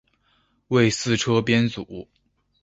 为四车编组。